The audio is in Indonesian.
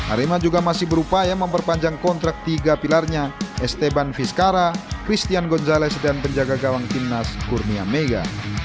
arima juga masih berupaya memperpanjang kontrak tiga pilarnya esteban vizcara christian gonzalez dan penjaga gawang tim nas gurnia mega